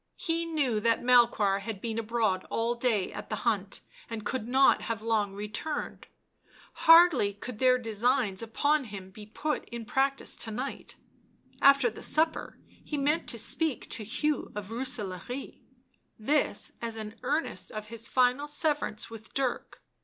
He knew that Melchoir had been abroad all day at the hunt and could not have long returned, hardly could their designs upon him be put in practice to night ; after the supper he meant to speak to Hugh of Booselaare, this as an earnest of his final severance with Dirk.